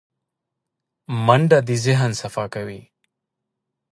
منډه د ذهن صفا کوي